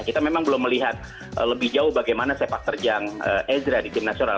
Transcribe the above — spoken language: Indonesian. kita memang belum melihat lebih jauh bagaimana sepak terjang ezra di tim nasional